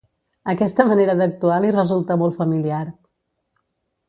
Aquesta manera d'actuar li resulta molt familiar.